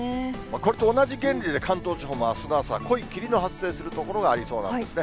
これと同じ原理で関東地方もあすの朝、濃い霧の発生する所がありそうなんですね。